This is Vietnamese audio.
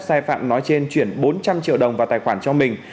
sai phạm nói trên chuyển bốn trăm linh triệu đồng vào tài khoản cho mình